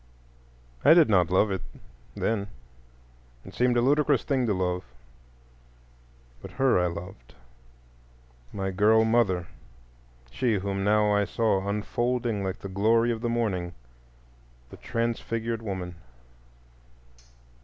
I did not love it then; it seemed a ludicrous thing to love; but her I loved, my girl mother, she whom now I saw unfolding like the glory of the morning—the transfigured woman.